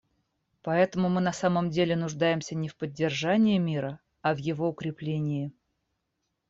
Поэтому мы на самом деле нуждаемся не в поддержании мира, а в его укреплении.